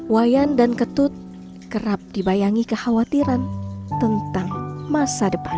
wayan dan ketut kerap dibayangi kekhawatiran tentang masa depan